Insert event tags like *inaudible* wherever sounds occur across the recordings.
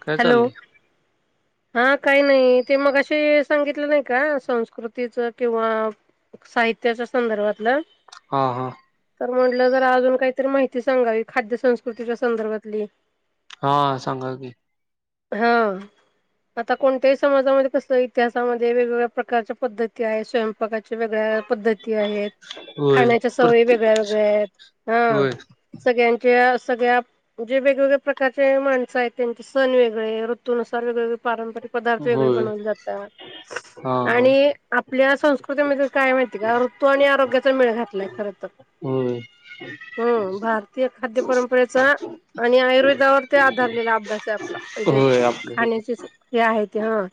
काय हॅलो चाललय. हा काही नाही ते मगाशी सांगितलं नाही, का संस्कृतीच किंवा साहित्याच्या संदर्भातलं हा हा तर म्हटलं जरा अजून काहीतरी माहिती सांगावी खाद्य संस्कृतीच्या संदर्भातली हा सांगा की, हा! आता कोणत्याही समाजामध्ये कसल्या इतिहामध्ये वेगवेगळ्या प्रकारच्या पद्धती आहे स्वयंपाकाच्या वेगळ्या पद्धती आहेत, होय खाण्याच्या सवयी प्रत्येक वेगळ्या वेगळ्या आहेत. हा होय सगळ्यांच्या सगळ्या जे वेगवेगळ्या प्रकारचे माणसं आहेत, त्यांचे सण वेगळे ऋतूननुसार वेगवेगळे पारंपरिक पदार्थ वेगळे होय बनवले जातात. हा आणि आपल्या संस्कृतीमध्ये काय माहिती का ऋतू आणि आरोग्याचा मेळ घातलाय. खर तर होय हम्म! भारतीय खाद्य परंपरेचा आणि आयुर्वेद त्याच्यावर ते आधारलेला अभ्यास आहे आपला म्हणजे होय आपल्या सगळं खाण्याचे हे आहेत. हा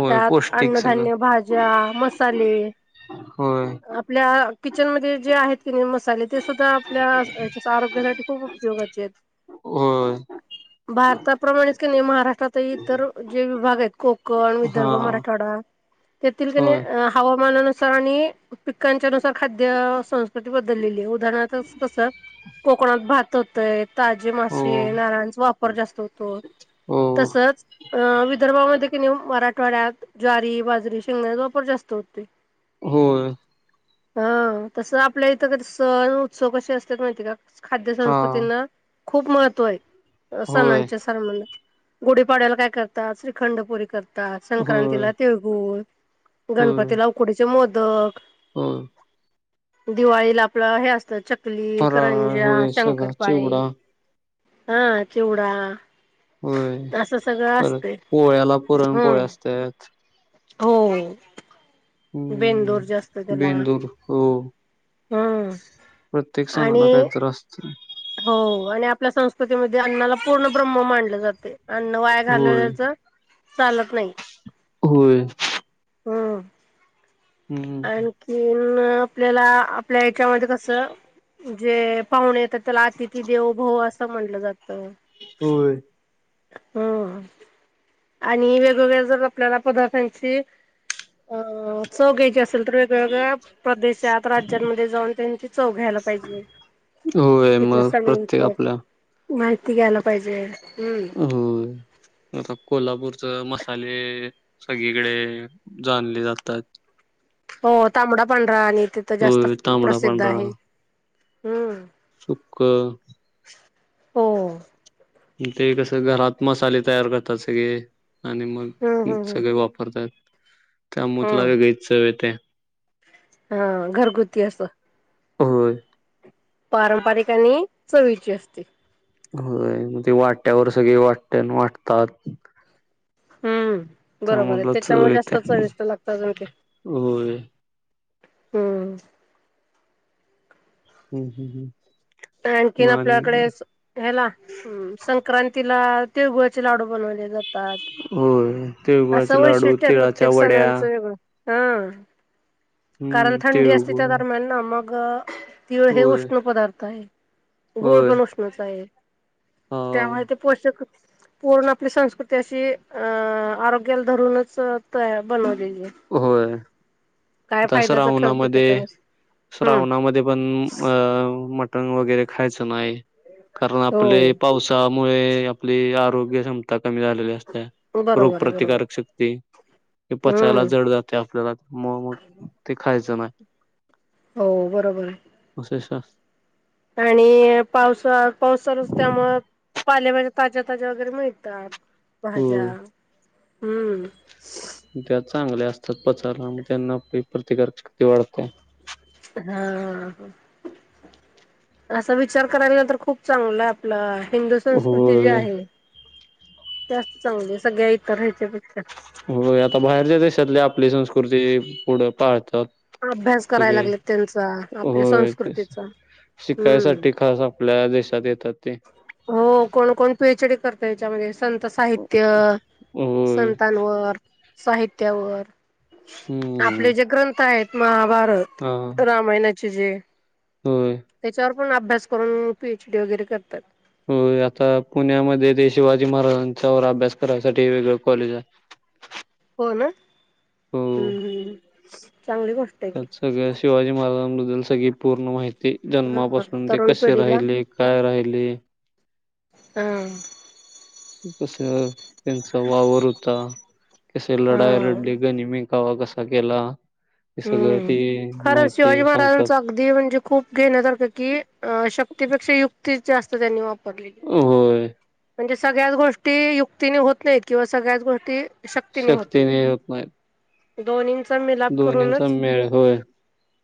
होय त्यात पौष्टिक सगळं अन्नधान्य, भाज्या, मसाले, होय आपल्या किचनमध्ये जे आहेत की नाही, मसाले ते सुद्धा आपल्या हच्या आरोग्यासाठी खूप उपयोगाचे आहेत. होय. भारताप्रमाणेच क नाही महाराष्ट्रात इतर जे विभाग आहेत कोक कोण, हा विदर्भ, मराठवाडा, त्यातील का होय नाही हवामानानुसार आणि पिकांच्या नुसार खाद्य संस्कृती बदललेली आहे. उदाहरणार्थ कस कोकणात भात होतय, ताजे हो मासे, नारळाचा वापर जास्त होत. हो, हो तसच अ विदर्भामध्ये कनइ मराठवाड्यात ज्वारी, बाजरी, शेंगचा, वापर जास्त होते. होय. हा तस आपल्या इथं क सण उत्सव कसे असते माहितीय का? खाद्य हा संस्कृतीना खूप महत्त्व आहे. होय. म्हण गुढीपाड्याला काय करतात श्रीखंडपुरी करतात, होय संक्रांतीला तेळगुळ, गणपतीला उकडीचे मोदक, हम. दिवाळीला आपलं हे असतं चकली, फराळ करंजा, होय सगळा शंकरपाळे, चिवडा ह चिवडा, होय असं सगळं पर असते पोळ्याला पुरण पोळ्या हम्म. असतात. हो. बेंदूर जे असतं हम् त्याला बिंदूर हो. हम्म प्रत्येक आणि सणाला काहीत असतय. हो आणि आपल्या संस्कृतीमध्ये अण्नाला पूर्ण ब्रहम्म मानले जातय. अन्न वाया होय घाललेल्याच चालत नाही. होय. हम् हम्म. आणखी आपल्याला आपल्या हच्यामध्ये कस जे पाहणे त्याला अतिथी देवभव असं म्हणलं जातं होय. हा आणि वेगवेगळ्या जर आपल्याला पदार्थांची अ चव घ्यायची असते तर वेगवेगळ्या प्रदेशात राज्यांमध्ये जाऊन त्यांची चव घ्यायला पाहिजे होय तिथल्या मग सणांच प्रत्येक आपल्या माहिती घ्यायला पाहिजे हम्म. हो आता कोल्हापूरच मसाले सगळीकडे जाणले जातात हो तांबडा पांढरा आणि तिथं जास्त होय तांबडा प्रसिद्ध आहे हम्म सुख हो ते कसं घरात मसाले तयार करतात सगळे आणि हम्म मग हम्म हम्म. सगळे वापरतात त्या मुतला हम्म गायच ते हा घरगुती असं हो पारंपरिकानी चवीची असते हो मग ते वाट्यावर सगळे वाट्यान वाटतात हम्म बरोबर त्यामुळे आहे त्याला चव त्याच्यामुळे जास्त येते. चविष्ट लागतं आजून ते होय. हम्म. हम्म हम हम्म. आणखीन मग आणि आपल्याकडे काय ह्याला सक्रांतीला तिळ गुळाचे लाडू बनवले जातात होय जातात तिळगुळाचे असं लाडू, वैशिष्ट्य तिळाच्या प्रत्येक वड्या सणांचं वेगळं हा कारण हम्म थंडी असते तिळगुळ त्या दरम्यान ना मग ग तिळ हे होय उष्ण पदार्थ आहे गुळ होय पण उष्णच आहे. अ त्यामुळे ते पोषक पूर्ण आपली संस्कृती अशी अ आरोग्याला धरूनच बनवली होय दसरा फायद्याचं उना ठरतं मध्ये त्याच्यानुस हम्म श्रावणामध्ये पण अ मटण वगैरे खायचं नाही कारण आपले हो पावसा मुळे आपली आरोग्य क्षमता कमी झालेली असते. रोग बरोबर आहे बरोबर प्रतिकारक शक्ती पचायला हम्म जड जाते आपल्याला म मग ते खायचं नाही हो बरोबर आहे. अस आणि पावसा पावस चालू असतो त्यामुळे पालेभाज्या ताज्या ताज्या वगैरे मिळतात. भाज्या होय हम्म सत्पाचचाला मग त्यांना प्रतिकार वाढते हा. असा विचार कराला नंतर खूप चांगलं आपलं हिंदू संस्कृती जी होय आहे त्यास्त चांगली सगळ्या इतर ह्यायच्या पेक्षा हो आता बाहेरच्या देशातली आपली संस्कृती पुढे पाळतात. अभ्यास करायला सगळे लागलेत त्यांचा आपल्या होय तेच संस्कृतीचा हम्म शिकायसाठी खास आपल्या देशात येतात ते. हो कोण कोण पीएचडी करत. त्याच्यामध्ये संत साहित्य होय संतांवर साहित्यावर हम्म आपले जे ग्रंथ आहेत म हा भारत रामायणाचे जे होय. आपण अभ्यास करून पीएच डी वगैरे करतात. हो आता पुण्यामध्ये ते शिवाजी महाराजांच्या व अभ्यास करायसाठी वेगळ कॉलेज आहे. *inaudible* हो ना हो हम्म हम्म. त्यात सगळ्या शिवाजी महाराजांबद्दल सगळी पूर्ण माहिती ते हा जन्मापासून ते तरुण कसे पिढीला राहिले काय राहिले हा. कसं त्यांचा वावर होता कसे लढाया हा लढले गणिमी कावा कसा केला? हे सगळं हम्म ती खरं शिवाजी माहिती सांगतात महाराजांचा अगदी म्हणजे खूप घेण्यासारखं की अ श शक्तीपेक्षा युक्ती जास्त त्यांनी वापरलीली. होय म्हणजे सगळ्यांचं गोष्टी युक्तीने होत नाहीत किंवा सगळ्याच गोष्टी शक्तीने होत शक्ती ने नाही नाहीत. होत दोन्हींचा मिलाप दोन्हींचा करूनच मेळ होय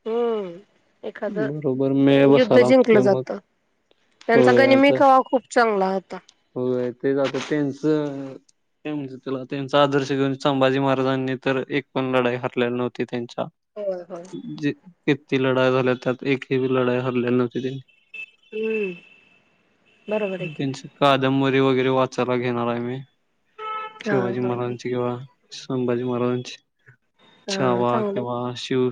हम्म एखादं बरोबर मेळ युद्ध बसायला जिंकलं लागतोय मग जातं. त्यांचा होय गनिमी कावा खूप चांगला होता. हो तेच आता त्यांनच ते म्हणज तुला त्यांचा आदर्श घेऊन संभाजी महाराजांनी तर एक पण लढाई हरलेली नव्हती त्यांची होय होय. किती लढाई झाल्या त्यात एकही लढाई हरलेली नव्हती त्यांनी हम्म बरोबर आहे की. तनच कादंबरी वगैरे वाचायला घेणार आहे मी हा शिवाजी हा हा. महारजची किंवा संभाजी महाराजां हा छावा चांगलं आहे केिंवा्हा शिव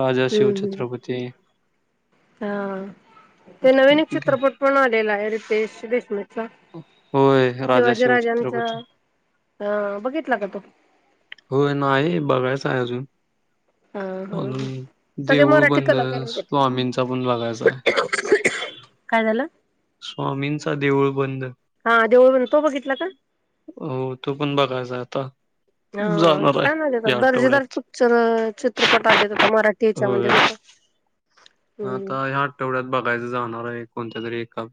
राजा हम्म हम्म शिवछत्रपती हा ते नवीन एक चित्रपट पण आलेला आहे रितेश देशमुख होय राजा शिवाजी शिव राजांचा छत्रपती अ बघितला का तो हो नाही बघायचं आहे अजून हा हा अून ह सगळे देऊळ मराठी बंद कलाकारच घेत स्वामींचा पण बघायचा आहे काय झाला स्वामींचा देऊळ बंद हा देऊळ तो बघितला का हो तो पण बघायच आता हा जाणार छान आहे या दर्जेदार आठवड्यात पिक्चर चित्रपट आलेेत होता मराठीच्या होय मध्ये सुद्धा *inaudible* हम्म आता ह्या आठवड्यात बघायचं जाणार आहे कोणत्या तरी एका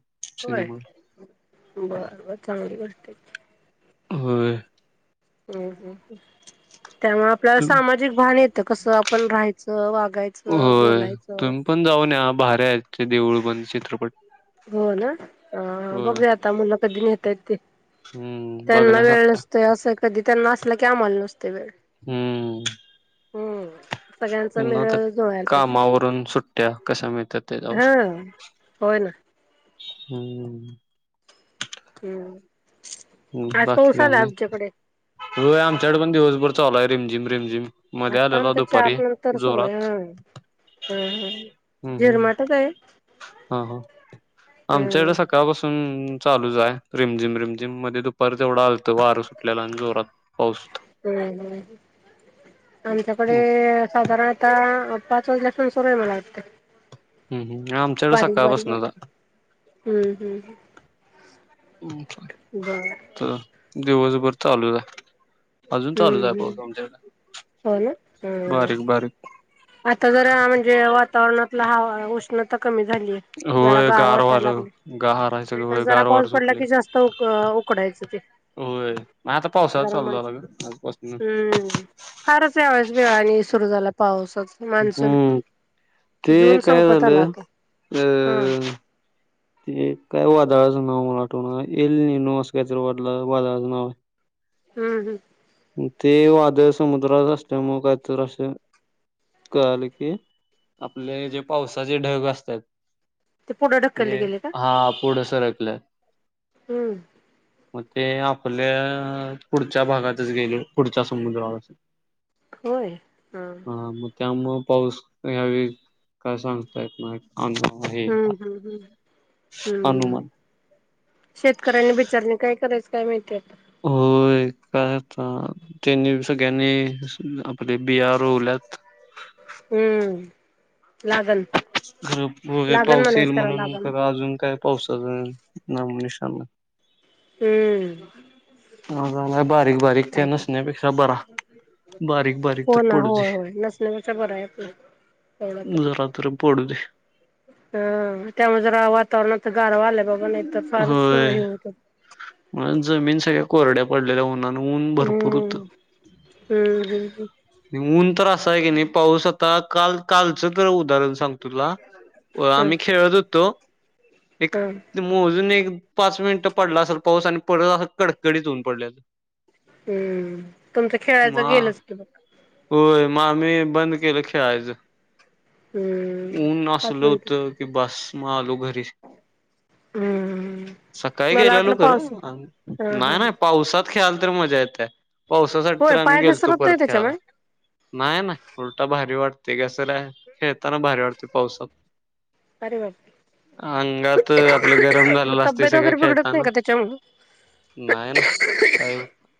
होय सिनेमात बर बर चांगली गोष्ट आहे हो ् त्यामुळे आपल्याला तुम- सामाजिक भान येतं कसं आपण राहायचं वा होय तुम्ही पण जाऊन या बाहेरचे देऊळ पण चित्रपट हो ना होय बघू आता मुला कधी नता येत ते हम्म त्यांना वेळ बघण्यासारखा नसतो असं कधी त्यांना असलं की आम्हाला नसते वेळ हम्म हम्म सगळ्यांचा त्यांना तर मेळ जुलय पहिजे कामावरून सुट्ट्या कशा मिळतात त्याच्यावर हा होय ना हम्म *inaudible* हम्म हम आज बाकी पाऊस का आला नाही आमच्याकडे रोय आमच्याकडे पण दिवसभर चाललाय रिमझिम रिमझिम मध्ये आता आलेला आमच्या चार दुपारी नंतर सुरू आहे जोरात हम हम हम्म हम्म झिरमाटच आहे आमच्या हम्म इकडे सकाळपासून चालूच आहे रिमझिम रिमझिम मध्ये दुपार तेवढा आल वारं सुटलेला आणि जोरात पाऊसत हम्म हम्म आमच्याकडे साधारणता पाच वाजल्या पास्नं आहे मला वाटते हम् ह् आमच्याड सकाळ पसणता हम्म हम्म ् बर तर दिवसभर चालू च हाय अजून चालूच हम्म आहे पाऊ हम्म दमते हो ना हम्म बारीक बारीक आता जर म्हणजे वातावरणातला हवा उष्णता कमी जरा होय गार वाटायला वारं लागले गार आहे नाही सगळं तर होय जरा गार पाऊस वारं पडला सुटले की जास्त उकडा ते होय आता पावसाळा गरम चालू झाला ग आजपासून हम्म फारच यावेळेस वेळाने सुरू झाला पावसाच मान्सून हम्म ते जून काय संपत आला झालं आता हा अं ते काय वादळाचं नाव मला आठवणार येल नाही नू असं काहीतरी वाढलं वादळाचं नाव आहे हम् हम् ते वादळ समुद्रात असल्या मग काहीतर असं कळालं की आपले जे पावसाचे ढग असतात ते पुढं ढकलले ते गेले का हा पुढं सरकलंय हम्म मग ते आपल्या पुढच्या भागातच गेले पुढच्या समुद्र अस होय हा हा मग त्या मग पाऊस ह्यावे काय सांगताय येत नाही हम्म हम्म हम्म हम्म अनुमान शेतकऱ्यांनी बिचारणे काय करायचं काय माहितीय आहे होय. *unintelligible* त्यांनी सगळ्यंनी आपली बिया रोवल्यात हम्म लागल. *unintelligible* पाऊस येईल म्हणून लागण तर अजून काय पावसाचं नामोनिशाण *unintelligible* हम्म, हा हा बर. बारीक बारीक काय नसण्यापेक्षा बरा. बारीक बारीक तर हो ना पडूदे. होय होय नसण्यापेक्षा बरं आहे आपलं जरा तर पडू दे. हम त्यामुळे जरा वातावरणात गारवा आपले बाबा नाही तर फारच होय हे होत. मग जमीन सगळ्या कोरड्या पडलेल्या ऊना ने ऊन भरपूर होत हम्म हम्म हम्म आणि ऊन तर असलं. ऊन हाय कनी पाऊस आता काल कालच तर ऊन उदाहरण सांगतो तुला, आम्ही खेळत होतो. हम, अजून एक पाच मिनिट पडला असेल. पाऊस आणि परत अस कडकडीत ऊन पडले. हम्म, तुमचं खेळायचं मग गेलच की मग होय मग आम्ही बंद केलं खेळायचं. हम्म ऊन पाच असलं मिनिट होतं की बास, मगं आलो घरी. हम्म सकाळी मला गेलेलो वाटलं खरं पाऊस हा हा नाही नाही पावसात खेळायला तर मजा येत्या. पावसासाठी तर होय आम्ही पाय गेलतो. परत घसरतोय खेळायला त्याच्यामुळे नाही. नाय नाय उलटा भारी वाटते कस. नाही तर काय. खेळताना भारी वाटते. पावसात अरे बापरे अंगात आपलं गरम मग झाालेलं असते तब्येत सगळ वगैरे बिघडत नाही खेळताना का त्याच्यामुळे नाही ना काही काही होत नाही.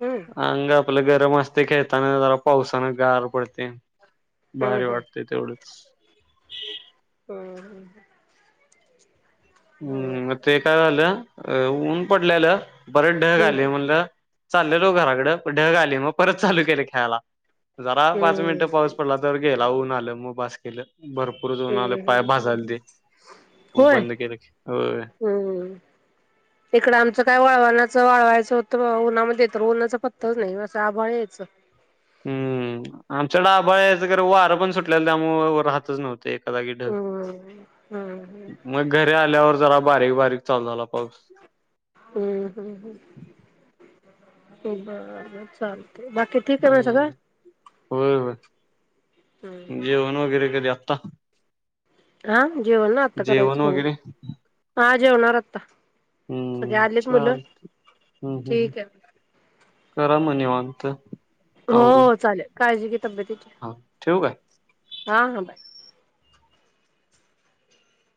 हम्म अंगात आपलं गरम असते. खेळताना जरा पावसान गार पडते. ते भारी हम्म वाटते. तेवढंच, हम ह. हम्म, ते काय झालं अ ऊन पडलेलं परत ढग हम्म आलय म्हणलं चाललेलो घराकड मग ढग आले. मग परत चालू केले खेळायला. जरा पाच हम्म मिनिटं पाऊस पडला तर गेला ऊन आलं. मग बास केलं. भरपूर ऊन आल, पाय हम्म हम्म भाजालते, मग होय बंद केल. हम्म, इकडं आमचं काय वाळवण्याच वाळवायचं तर तर ऊन्हामध्ये तर उन्हाचा पताच नाही असं आभाळ यायच. हम्म, आमच्या कडे आभाळ यायचं. खरं वारं पण सुटलेल. एका जागी ढगं, हम्म हम्म मग घरी आल्यावर जरा बारीक बारीक चालू झाला पाऊस. हम्म हम्म ह बर चाल बाकी ठीक आहे. मगं हम्म सगळं, होय होय जेवण वगैरे कधी आत्ता? हा जेवण ना आत्ता जेवण करायचं हो. वगैरे हा जेवणार आता हम्म चालत हम्म हम ठीक आहे. करा मग निवांत. आवरून हो चालेल काळजी घे तब्येतीची. हा ठेवू काय हा हा बाय.